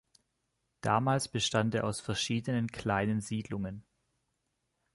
Damals bestand er aus verschiedenen kleinen Siedlungen.